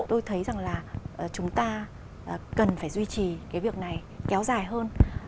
tôi thấy rằng là chúng ta cần phải duy trì cái việc này kéo dài hơn